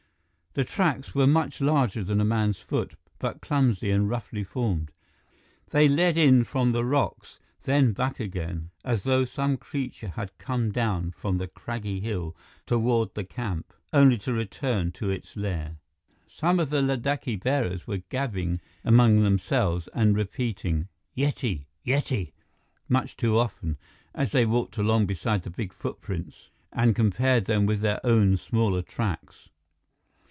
The tracks were much larger than a man's foot, but clumsy and roughly formed. They led in from the rocks, then back again, as though some creature had come down from the craggy hill toward the camp, only to return to its lair. Some of the Ladakhi bearers were gabbing among themselves and repeating, "Yeti Yeti," much too often, as they walked along beside the big footprints and compared them with their own smaller tracks.